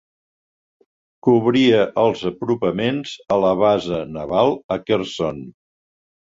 Cobria els apropaments a la base naval a Kherson.